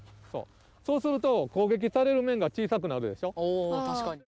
そうすると攻撃される面が小さくなるでしょ。